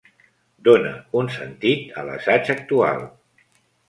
Dona un sentit a l'assaig actual.